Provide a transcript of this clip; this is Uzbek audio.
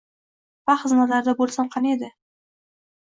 Va xizmatlarida bo‘lsam qani edi.